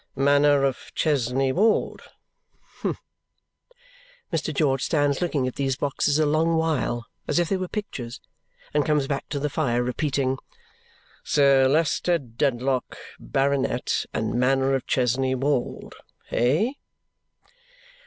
'Manor of Chesney Wold.' Humph!" Mr. George stands looking at these boxes a long while as if they were pictures and comes back to the fire repeating, "Sir Leicester Dedlock, Baronet, and Manor of Chesney Wold, hey?"